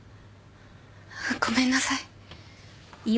ごめんなさい。